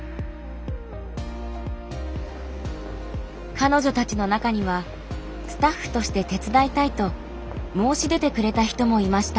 彼女たちの中にはスタッフとして手伝いたいと申し出てくれた人もいました。